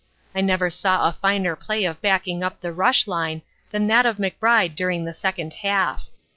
I never saw a finer display of backing up the rush line than that of McBride during the second half.